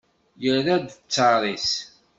Yerra-d ttar-is.